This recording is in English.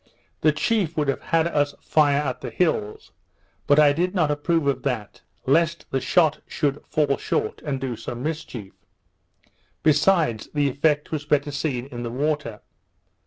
The chief would have had us fire at the hills; but I did not approve of that, lest the shot should fall short and do some mischief. Besides, the effect was better seen in the water.